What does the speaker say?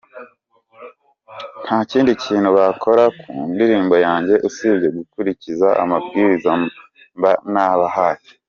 Nta kindi kintu bakora ku ndirimbo yanjye usibye gukurikiza amabwiriza mba nabahaye.